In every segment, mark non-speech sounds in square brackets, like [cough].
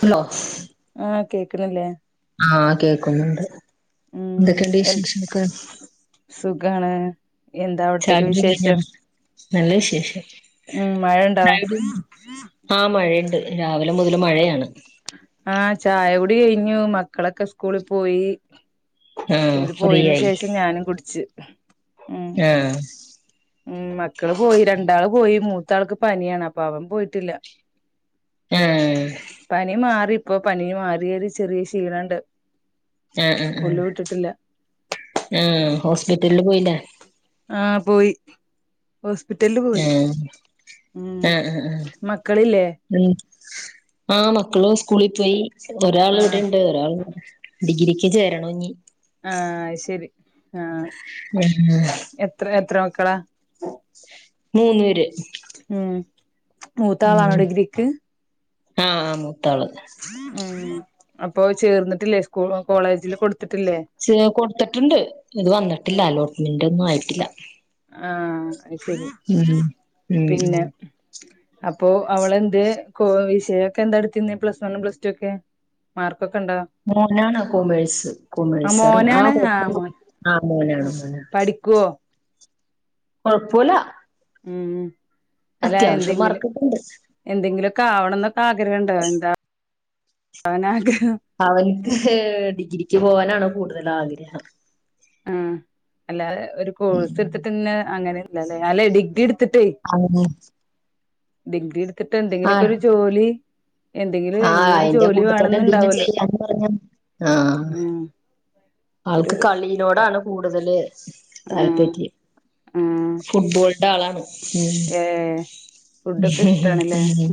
Hello കേൾക്കല്ലേ ആഹ കേക്കുന്നുണ്ട് ഉം എന്ത് എന്തൊക്കെയണ്ട്ീഷേഷക്ക സുഖാണ് എന്താ അവിടത്തേക്ക് കുടി കഴിഞ്ഞോ വിശേഷം നല്ല വിശേഷം ഉം മഴണ്ടോ [unintelligible] ആഹ മഴുണ്ട് രാവിലെ മുതൽ മഴയാണ് ടി കഴിഞ്ഞു മക്കളൊക്കെ സ്കൂള പോയി ആഹ് ഒല് ഫ്രീ പോയന് ആയി ശേഷം ഞാനും കുടിച്ചു ഉ ആഹ് ഉം മക്കള് പോയി രണ്ടാള് പോയി മൂത്താൾക്ക് പനിയാണ് അപ്പൊ അവൻ പോയിട്ടില്ല ആഹ് പനി മാറിപ്പോൊ പനി മാറിയ ഒരു ചെറിയ കഷിണ ണ്ട് ആആആ, ആ ഹോസ്പിറ്റലില് പോയില്ലേ? ആ പോയി. ഹോസ്പിറ്റലില് പോയി ആഹ് ഉം ആഹ് ആഹ് ആഹ് മക്കളില്ലേ? ആ മക്കള് സ്കൂളി പോയി ഒരാൾ ആഹ് ഇവിടെണ്ട് ഒരാൾ ഡിഗ്രിക്ക് ചേരണം ഞ്ഞി. ആ അത്ശരി ആ എത്ര എത്ര മ ക്കളാ മൂന്നേര്. മൂത്താളാണോ ഡിഗ്രിക്ക്. ആ ആന്ന്. ഉം ഉം അപ്പൊ ചേർന്നിട്ടില്ലേ? സ്കൂ കോളേജില് കൊടു ചേ കൊടുത്തിട്ടുണ്ട് ഇത് വന്നിട്ടില്ല അലോട്ട്മെന്റ് ഒന്നും ആയിട്ടില്ല. ആ അത് ശരി ഉം ഉം ഉം പിന്നെ. അപ്പോ അവളെന്തേ കൊയ്സ്ന്കെ എന്താ ഇട്ത്തിന്നെ പ്ലസ് വൺ പ്ലസ് ടു ഒക്കെ? മാർക്ക് മോനാണ കൊമേഴസ് ആ കമേഴിസാറ് ആ മോനാണ് മോൻ [inaudible] ആ മോനാണ് മോനാണ് പഠിക്കുവോ കൊഴപ്പോല. ഉം അല്ല എന്തെങ്കിലും മാർക്കൊക്കെണ്ട് എന്തെങ്കിലും ഒക്കെ ആവണം എന്നൊക്കെ ആഗ്രഹണ്ടോ എന്താ? ഓനാഗ്ര അവൻക്ക് ഡിഗ്രിക്ക് പോകാനാണ് കൂടുതൽ ആഗ്രഹം. ആ അല്ലാതെ ഒരു ഉം കോഴ്സ് എടുത്തിട്ട്ന്ന അങ്ങനെല്ലല്ലേ? അല്ല ഡിഗ്രിട് അതന്നെ ഡിഗ്രി എടുത്തിട്ട് എന്തെങ്കിലൊക്കെ ഒരു ജോലി. എന്തെങ്കിലും ആ ഇന്നരു അയിന്റെ ജോലി കൂട്ടത്തന്നെ എന്തെങ്കിലും വേണംന്നുണ്ടാവലോ ചെയ്യാന്ന് പറഞ്ഞ ആ ഉം ഒരു ആൾക്ക് കളിയിലോടാണ് കൂടുതല് ആഹ് താല്പര്യം ആഹ് ഫുട്ബോള്ടെ ആളാണ്. ഉം ഏഹ് ഫുഡൊക്കെ ഇഷ്ടാണല്ലേ ഉം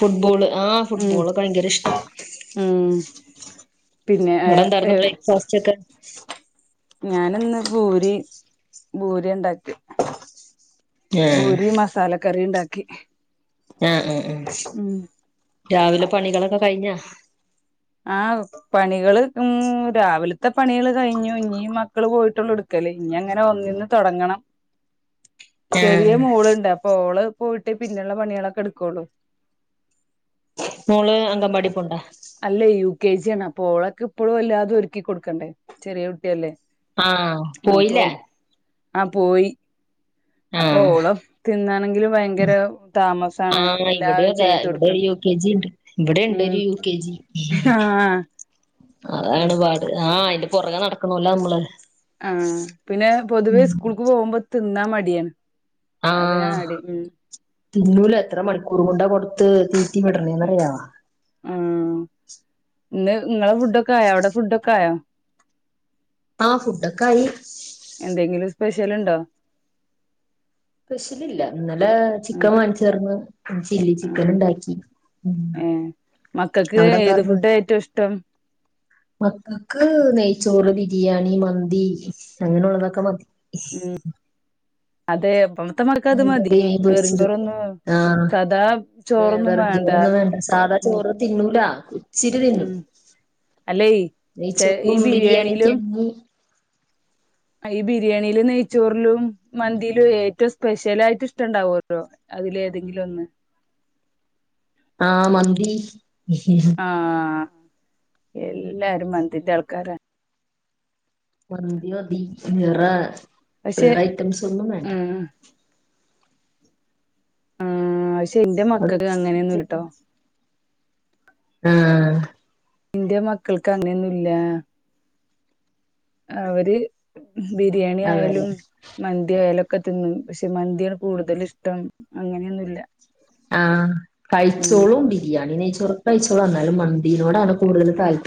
ഫുട്ബോൾ. ആ ഫുട്ബോള് ഭയങ്കര ഇഷ്ട ഉം പിന്നെ വ്ടന്തായിര്ന്ന് ബ്രേക്ക്ഫാസ്റ്റ് ഒക്കെ? ഞാന് ഇന്ന് പൂരി ഭൂരി ഇണ്ടാക്കി. ഏഹ് ഭൂരി മസാല കറി ണ്ടാക്കി. ആ ഉം ഉം രാവിലെ പണികളൊക്കെ കഴിഞ്ഞാ? ആ പണികള് ഉം രാവിലത്തെ പണികള് കഴിഞ്ഞു ഇഞ്ഞി മക്കള് പോയിട്ടുള്ള ഇട്ക്ക ഇഞ്ഞി അങ്ങനെ ഒന്ന്ന്ന് തുടങ്ങണം ചെറിയ ആഹ് മോള്ണ്ട് അപ്പൊ ഓള് എ പോയിട്ടേ പിന്നുള്ള പണികളൊക്കെ എടുക്കള്ളു. മോള് അങ്കംമ്പാടി പോണ്ടോ? അല്ലേ യു കെ ജി ആണ് അപ്പൊ ഓളൊക്കെ ഇപ്പളും അല്ലാതും ഒരുക്കി കൊടുക്കണ്ടേ? ചെറിയ കുട്ടിയല്ലേ? ആ പോയില്ലേ? അ പോയി. അപ്പൊ ആഹ് ഓളം തിന്നാണെങ്കിലും ഭയങ്കര താമസമാണ് എല്ലാം ചെയ്തു കൊടുക്ക ണ്ട് ഇവിടെണ്ട് ഒരു യു കെ ജി. ആ അതാണ്പാട് ആ അയിന്റെ പുറകെ നടക്കോണല്ലോ അമ്മള്. ആ പിന്നെ പൊതുവേ സ്കൂൾക്ക് പോകുമ്പോ തിന്നാ മടിയാണ്. ആഹ് അതിനാണടി ഉം കുറമുണ്ട കൊടുത്ത് തീറ്റി വിടണേന്നറിയോ ആഹ് ഇന്ന് നിങ്ങളെ ഫുഡൊക്കെ ആയോ അവിടെ ഫുഡ്ക്കെ ആയോ ആ ഫുഡൊക്കായി എന്തെങ്കിലും സ്പെഷ്യൽണ്ടോ? സ്പെഷ്യല് ഇല്ല. ഇന്നലെ ചിക്കൻ വാങ്ങിച്ചേർന്ന് ചില്ലി ചിക്കൻ ആഹ് ണ്ടാക്കി. ഉം ഏഹ് മക്കൾക്ക് അവിടെ ഏത് എന്താർന്ന് ഫുഡാ ഏറ്റവും ഇഷ്ടം.. മക്കൾക്ക് നെയ്ച്ചോറ് ബിരിയാണി മന്തി അങ്ങനെയുള്ളതൊക്കെ മതി.. ഉം അതെ അപ്പം.. ഇ പത്തെ മക്കക് മീൻ മതി കറി മീൻ പൊരിച്ചത് ചോറൊന്നും ആഹ് സദാ ചോറൊന്നും വെറും വേണ്ട... ചോറൊന്നും വേണ്ട സാധാ ഉം ചോറ് തിന്നൂല ഉച്ചിരി തിന്നും.. ഉം അല്ലേ ചെ ഈ നെയ്ചോറും ബിരിയാണിയൊക്കെ ബിരിയാണിയിലും എന്നും... ഈ ബിരിയാണിയില നെയ്ച്ചോറിലും മന്തിയിലും ഏറ്റവും സ്പെഷ്യലായിട്ട് ഇഷ്ടണ്ടാവുംല്ലോ... അതിലെ തെങ്കിലും ഒന്ന്.. ആഹ മന്തി.. ആഹ എല്ലാരും മന്തിന്റെ ആൾക്കാരാ... മന്തിയോ നെയ്ചോറോ പക്ഷെ വേറെ ഐറ്റംസ് ഒന്നും വേണ്ട ഉം ആ ശരി എന്റെ അവിടെ മക്കൾക്ക് അങ്ങനെയൊന്നുംല്ലട്ടോ.. ആ.. ഇന്റെ മക്കൾക്ക് അങ്ങനെയൊന്നുംല്ല.. അവര് ബിരിയാണി അതെല്ലേ ആയാലും മന്തി ആയാലും ഒ.. ഒക്കെ തിന്നും പക്ഷെ മന്തിയാണ് കൂടുതൽ ഇഷ്ടം അങ്ങനെയൊന്നുല്ല.. ആഹ ഉം കഴ്ച്ചോളും ബിരിയാണിനെയ്ച്ചോ ർ.. കഴിച്ചോളും എന്നാലും മന്തിതിനോടാണ് കൂടുത താൽപ..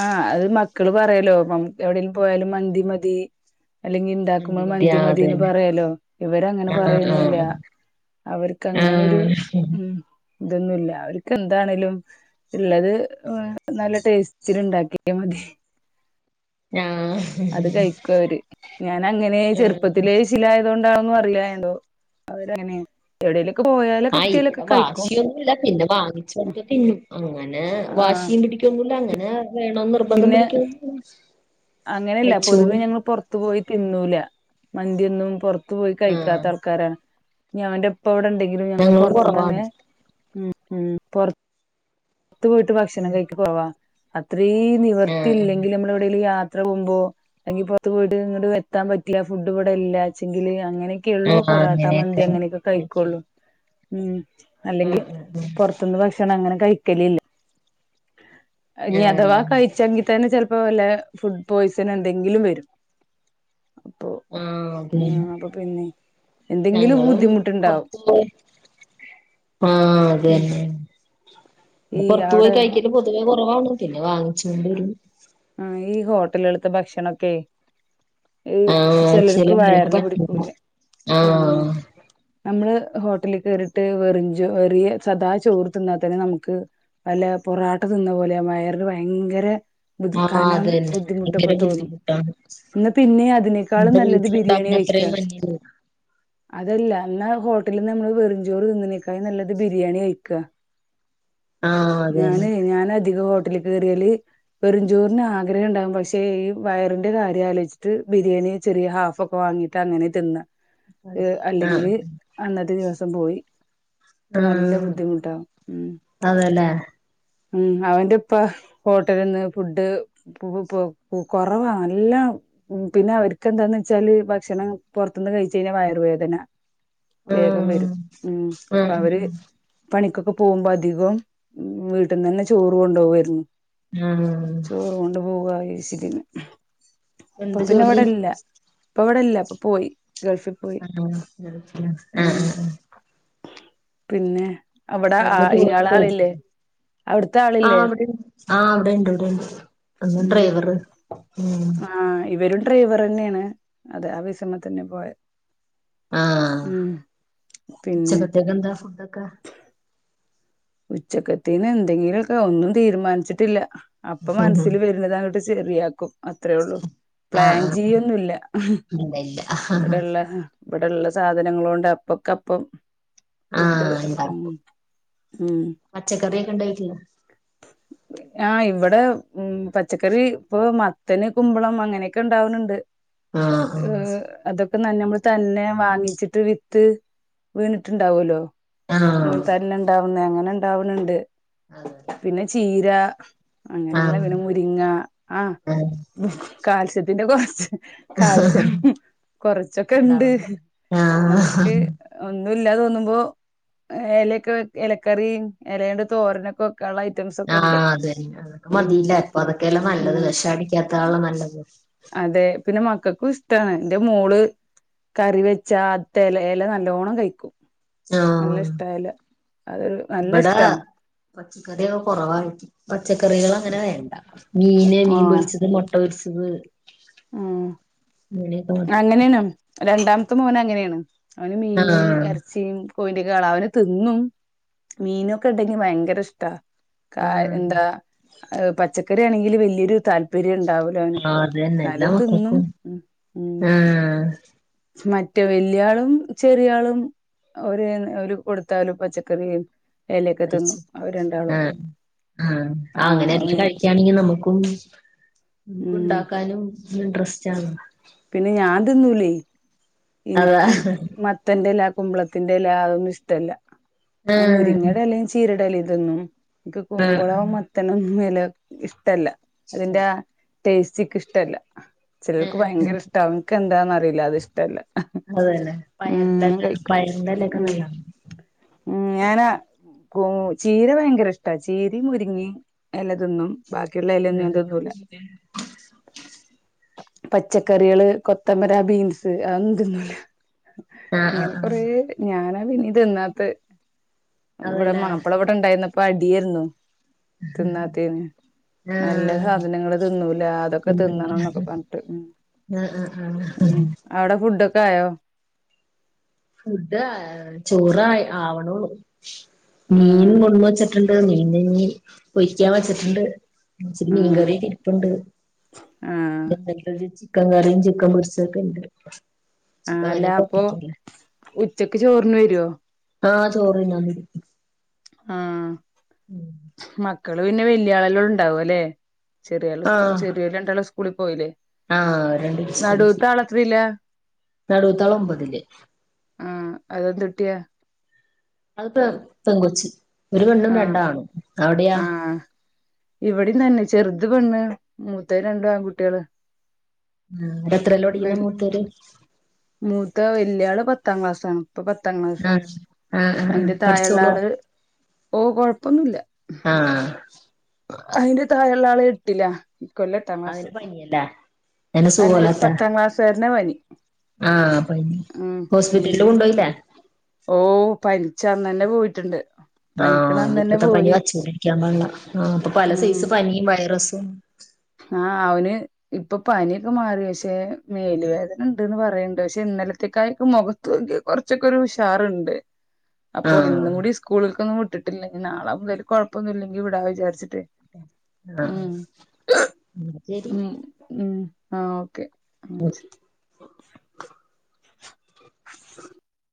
ആഹ അത് മക്കള് പറയലോ എവിടെേങ്കിലും പോയാലും മന്തി മതി.. അല്ലെങ്കി ഇണ്ടാക്കുമ്പോൾ മ മന്തി ആഹ് മതിന്ന് അതന്നെ പറയാലോ ഇവര അങ്ങനെ പറയൊന്നൊല്ല... ആഹ് അവർക്ക് അങ്ങനെരു ആഹ് ഉം... ഇതൊന്നുല്ല അവർക്ക് എന്താണേലും ഉള്ളത് നല്ല ടേസ്റ്റ്.. ഇച്ചിരിണ്ടാക്കിയ മതി... ആഹ.. അത് കഴിക്കും അവര് ഞാൻ അങ്ങനെ ചെറുപ്പത്തിലേ ശിലായതുകൊണ്ടാവും... [unintelligible] അവര് അങ്ങനെയെണ്.. ആഹ ഇവിടെ വാശിയൊന്നുല്ല പിന്നെ വാങ്ങിച്ച കൊടുത്ത തിന്നും അങ്ങനെ വാശിയും പിടിക്കൊന്നും.. ല്ലാ അങ്ങനെ.. വേണോന്ന് നിർബന്ധം പിന്നെ പിടിക്കൊന്നുല്ല അങ്ങനെല്ല പൊതുവേ കഴിച്ചോളും ഞങ്ങൾ പുറത്തു പോയി തിന്നൂല.. മന്തിയൊന്നും പുറത്തു പോയി ആഹ് കഴിക്കാത്ത ആൾക്കാരാണ് അവൻന്റെ ഉപ്പ.. ഇപ്പ ഇവെടെണ്ടെങ്കിലും ഞങ്ങൾ ഞങ്ങളും പുറത്തുന്ന് കുറവാണ് അങ്ങെ ഉം ഉം പെർ.. പൊറത്ത് പോയിട്ട് ഭക്ഷണം കഴിക്കാൻ പോവാ അത്രേയും ആഹ് ആഹ് നിവർത്തിയില്ലെങ്കിൽ നമ്മൾ എവിടെലും യാ... യാത്ര പോകുമ്പോ അല്ലെങ്കിൽ പുറത്ത് പോയിട്ട് ങ്ങൻണ്ട് എത്താൻ പറ്റില്ല ഫുഡ് ഇവിടെ ഇല്ലച്ചെങ്കിൽ അങ്ങനെ... ക്കെള്ളൂ പൊറാട്ട മന്തി അങ്ങനെയൊക്കെ കഴിക്കും കഴിക്കുള്ളു.. ഉം ആഹ് അല്ലെങ്കിൽ ആഹ് പൊർത്ത്ന്ന് ഭക്ഷണം അങ്ങനെ കഴിക്കലില്ലാ... ആഹ് ഞ് അഥവാ ആഹ് കഴിച്ചെങ്കി തന്നെ ചെലപ്പോ വല്ലെ.. ഫുഡ് പോയ്സൺ എന്തെങ്കിലും വരും... അപ്പൊ ആഹ അതെ.. ആഹ് അപ്പൊ പിന്നെ എന്തെങ്കിലും ഞങ്ങളും ബുദ്ധിമുട്ടുണ്ടാവും പോർത്തു പോയി.. ആഹ ഉം അതന്നെ ഈ പൊറത്തു പോയി കഴിക്കൽ പൊതുവേ കുറവാണ്.. പിന്നെ വാങ്ങി... ആ ഈ ഹോട്ടലെൾത്ത ഭക്ഷണൊക്കെ.. ഇ ആഹ് ചില ചിലർക്ക് പിള്ളേർക്ക് വയറിന് പറ്റൂല പിടിക്കൂല ആ ആഹ് നമ്മള്... ഹോട്ടലിൽ കേയറിട്ട് വെറിഞ്ചോ വെറിയ സദാ ചോറ് തിന്നാൽ തന്നെ നമുക്ക്.. അല്ല പൊറാട്ട തിന്ന പോലെ വയറിന് ഭയങ്കര... ത് ആഹ് ക്കനം അതന്നെ ബുദ്ധിമുട്ടൊക്കെ ഭയങ്കര തോന്നും ബുദ്ധിമുട്ടാണ് ന്ന പിന്നെ അതിനേക്കാളും നമ്മുടെ നല്ലത് ബിരിയാണി... വീട്ടിലുണ്ടാക്കുന്ന കഴിക്കുക അത്രയും മയങ്ങി പോവും.. അതല്ല എന്ന ഹോ.. ഹോട്ടലിൽ നമ്മള് വെറുംചോറ് തിന്ന് നെക്കയും നല്ലത് ബിരിയാണി കഴിക്കാ.. ആഹ് അതന്നെ ഞാന് ഞൻധിക [unintelligible] ഏറിയാല് വെറും ചോറിന് ആഗ്രഹം ണ്ടാവും പക്ഷെ ഈ വയറിന്റെ കാര്യം ആലോച്ട്ട് ബിരിയാണി ചെറിയ ഹാഫ് ഒക്കെ വാങ്ങിട്ട് അങ്ങനെ തിന്ന അല്ലെങ്കിൽ ആഹ് അന്നത്തെ ദിവസ ം പോയി ക്ക് നല്ല ആഹ് ബുദ്ധിമുട്ടാ ഉ അതേല്ലേ ഉം അവന്റെ ഉപ്പ ഹോട്ടലിൽന്ന് ഫുഡ് പു പു കുറവാ നല്ല പിന്നെ ഒരിക്ക എന്താ വെച്ചാൽ ഭക്ഷണം പുറത്തുന്ന് കഴിച്ച് കഴിഞ്ഞാൽ വയറുവേദന വേഗം ആഹ് വരും ഉം അപ്പൊ ആഹ് അവര് പണിക്കൊ പോകുമ്പോ അധികം വീട്ടിൽ നന്നെ ചോറ് കൊണ്ടുപുവായിരുന്നു ആഹ് ചോറ് കൊണ്ട് പോവ ഇശിതിന് അപ്പൊ എന്ത് പിന്നെ ജോലി എവിടെല്ല ഇപ്പ എവിടെല്ല അപ്പൊ പോയി ഗൾഫിൽ പോയി ആഹ അഹആഹ ഉം ആ പിന്നെ അവിടെ ആ ഇ ആ അളിലെ ആഹ അവിടെ ആഹ് അവിടെണ്ട് ഇവിടെണ്ട് അന്ന് ഉം ഡ്രൈവറ് ഉ ഡ്രൈവർ ന്നെയാണ് അതെ ആ വിഷമ തന്നെ പോയത് ആഹ പിന്നെ ഉച്ചക്കതെക്ക് എന്താ ഫുഡൊക്കെ ഉച്ചക്കത്തിന് എന്തെങ്കിലൊക്കെ ഒന്നും തീരുമാനിച്ചിട്ടില്ല അപ്പൊ ആഹ് മനസ്സിൽ വരുന്നതട്ട് ശെരിയാക്കും അത്രേ ഉള്ളൂ പ്ലാൻ ആഹ് ചെയ്യൊന്നുല്ല ഇല്ല ഇല്ല ഇവിടെള്ള ഇവിടെള്ള സാധനങ്ങള്ളൊണ്ട് അപ്പ അപ്പം ഫുഡ് ആഹ് അത്ര ഉണ്ടാക്കും ഉം പച്ചക്കറിയൊക്കെ ഇണ്ടായിട്ടില്ല ഉ ആഹ് ഇവിടെ ഉ പച്ചക്കറി ഇപ്പൊ മത്തന് കുമ്പളം അങ്ങനെയൊക്കെ ഉണ്ടാവ്ണ്ണ്ട് ആഹ ആഹ നമ്മൾ തന്നെ വാങ്ങിച്ചിട്ട് വിത്ത് വീണ്ണ്ട്ടുണ്ടാവല്ലോ ആഹ് അങ്ങതന്നെ ഇണ്ടാവ്ന്നേ അങ്ങനെ ഇണ്ടവ്ണ്ണ്ട് ആഹ് പിന്നെ ചീര അങ്ങനെയുള്ള ആഹ് പിന്നെ മുരിങ്ങ ആ ആഹ് കാൽസ്യത്തിന്റെ കുറച്ച് കാൽശ്യം കൊറച്ചൊക്കെ ണ്ട് ഉണ്ടാവണ്ട് നമുക്ക് ആഹ് ഒ ന്നുല്ലാ തോന്നുമ്പോ ഇലയൊക്കെ ഇലക്കറി ഇലയുടെ തോരനൊക്കെ വേ ആഹ അതന്നെ അ ഉം മതിയില്ല അപ്പൊ അതൊക്കെല്ലാം നല്ലത് ഉം വിഷം അടിക്കാത്താണ് നല്ലത് അതെ പിന്നെ മക്കൾക്കും ഇഷ്ടാണ് എന്റെ മോള് കറി വെച്ചാ അത്തല ഇല നല്ലോണം കഴിക്കും നല്ല ആഹ് ഇഷ്ട എല്ല അത് നല്ല ഇഷ്ടണ് പച്ചക്കറൊക്കെ കുറവാ പച്ചക്കറികൾ അങ്ങനെ വേണ്ട മീന് മീൻ ആഹ് പൊരിച്ചത് മുട്ട പൊരിച്ചത് ഉം അങ്ങനെയൊക്കെ മതി അങ്ങനെയാണ് രണ്ടാമത്തെ മോന അങ്ങനെയാണ് അവന് മീനും ആഹ് ഇറച്ചിയും [unintelligible] തിന്നും മീനൊക്കെ ഇണ്ടെങ്കി ഭയങ്കര ഇഷ്ട ആഹ് എന്താ പച്ചക്കറി ആണെങ്കില് വലിയൊരു താല്പര്യം ഉണ്ടാവല ഓൻ ആഹ് എന്നാലും തിന്നും ഉ ആഹ മറ്റേ വലിയാളും ചെറിയളും ഒരു കൊടുത്താലും പച്ചക്കറി കഴിച്ചു ആഹ ആ ആഹ് അങ്ങനെ എല്ലാം അവന് കഴിക്കയാണെങ്കി നമുക്കും നമക്ക് ഉം ഉണ്ടാക്കാനും ഇൻട്രസ്റ്റ് ആണ് തിന്നൂലെ അതാ എനിക്ക് മത്തന്റെല കുമ്പളത്തിന്റെ ഇല അതൊന്നും ഇഷ്ടല്ല ഞാൻ ആഹ് മുരിങ്ങടെ ഇലയും ചീരയുടെ അല തിന്നും എനിക്ക് ആഹ് ആഹ് കുമ്പളോ മത്തനോ ഒന്നും വില ഇഷ്ടല്ല അതിന്റെ ടേസ്റ്റിക്ക് ഇഷ്ടല്ല ചിലർക്ക് ആഹ് ഭയങ്കര ആഹ് ഇഷ്ടാവും ഇങ്ക് എന്താന്ന അറിയില്ല അത് ഇഷ്ടല്ല അതേനെ ഉം ഞാൻ പയറിന്റെല്ല പയറിന്റെലൊക്കെ നല്ല ഉ ഞാനാ ചീര ഭയങ്കര ഇഷ്ടാ ചീരും മുരിങ്ങിം ഏലതിന്നും ആഹ പച്ചക്കറികള്, കൊത്തമര, ബീൻസ് അതൊന്നും തിന്നൂല. ആഹ് ആഹ് അങ്ങനെ ആഹ് കൊറേ. ഞാനാ ഇനി തിന്നാത്തത്. വിടെ അതല്ലേ മാപ്പള ഇവിടെ ണ്ടായിന്നപ്പോ, അടിയേര്ന്നു തിന്നാത്തേന്. നല്ല ആഹ് സാധനങ്ങള് തിന്നൂല, അതൊക്കെ തിന്നണം ന്നൊക്കെ പറഞ്‌ട്ട് അ, അ, ആ ഹ, ഹ. ക്കായോ? ഫുഡ് ചോറ് ആവണൊള്ളൂ, മീനും ആഹ് കൊടുന്ന് വെച്ചിട്ടുണ്ട മീനി നി പൊരിക്കാൻ വെച്ചിട്ടുണ്ട്, ച്ചിരി ആഹ് മീൻകറി ഇരിപ്പുണ്ട് ആഹ് ഇന്നലത്തെ ചിക്കൻ കറിയും, ചിക്കൻ പൊരിച്ചതൊക്കെ യിണ്ട് ആ അല്ല. അപ്പൊ ഉച്ചക്ക് ചോറിന് വരോ? ആഹ് ചോരിന്നാ വരും. ആ ഉം. മക്കള് പിന്നെ വല്ലിയാള ല്ലെ ണ്ടാവ ല്ലെ. ചെറിയ സ് ആഹ് ചെറിയോല് രണ്ടാളും സ്കൂളി പോയില്ലെ? ആഹ് നടൂത്താള് എത്രിലാ? നടൂത്താള് ഒമ്പതില്. ആഹ അതെന്തുട്ടിയാ? അത് പെ പെങ്കൊച്ച്. ഒരു പെണ്ണും, രണ്ടാണും അവിടെയാ? ഇവടേം തന്നെ. ചെറുത് പെണ്ണ്, മൂത്തത് രണ്ടും ആൺകുട്ടേള്. ഉം. എത്രല പഠിക്കണെ മൂത്തോര്? മൂത്ത വലിയാള് പത്താം ക്ലാസാണ്. ഇപ്പൊ പത്താം ക്ലാസ്. ആഹ് ആഹ് ആഹ് ആഹ് അതിന്റെ തായഴള്ളെ പഠിച്ചോളുവോ ആള് ഓ കൊഴപ്പൊന്നൂല്ല. ആ അതിന്റെ താഴെള്ള ആള് എട്ടിലാ ഇ ക്കൊല്ലം എട്ടാം ക്ലാസ്സ്‌. അവന് പനിയല്ലേ അവന് അല്ലേ, പത്താം ക്ലാസാരനാ പനി. ആ പനി. ഉം ഉം ഹോസ്പിറ്റലില് കൊണ്ടോയിലെ? ഓ പനിച്ചന്ന ന്നെ പോയിട്ട്ണ്ട്. ആ ഇപ്പഴത്തെ പനി വച്ചോണ്ടരിക്കാൻ പാടള്ള, ആ പ്പൊ പല സൈസ് പനിയും, വയറസ് ഉം. ആ അവന് ഇപ്പൊ പനിയൊക്കെ മാറി. പശെ മേല് വേദന ണ്ട്ന്ന് പറയണ്ട്. പശെ ന്ന ലത്തെക്കായൊ ക്കെ മുഖത്ത് നോക്കിയ കൊറച്ചൊക്കൊരു ഉഷാറ്ണ്ട്. അപ്പൊ ആഹ് ഇന്നും കൂടി സ്കൂളിൽ ക്കൊന്നും വിട്ട് വിട്ടിട്ടില്ല. ഞ്ഞി നാളെ മുതൽ കൊഴപ്പൊന്നും ല്ലെങ്കി വിടാ വിചാരിച്ചിട്ടെ ആ ആ ഉം, ഉം, ആ ഓക്കെ.